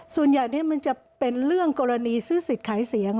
ส่วนใหญ่นี้มันจะเป็นเรื่องกรณีซื้อสิทธิ์ขายเสียง